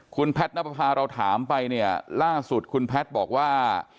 คุณแพทย์นับประพาเราถามไปเนี่ยล่าสุดคุณแพทย์บอกว่า